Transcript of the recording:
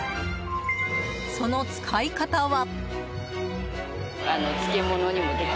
その使い方は。